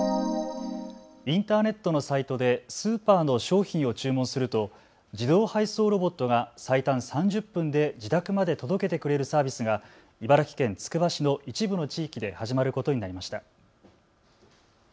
インターネットのサイトでスーパーの商品を注文すると自動配送ロボットが最短３０分で自宅まで届けてくれるサービスが茨城県つくば市の一部の地域で始まることになりました。